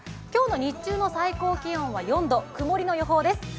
今日の日中の最高気温は４度、曇りの予報です。